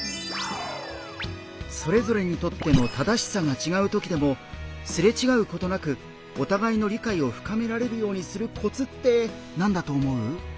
それぞれにとっての「正しさ」がちがうときでもすれちがうことなくお互いの理解を深められるようにするコツって何だと思う？